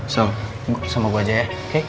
sam sama gue aja ya oke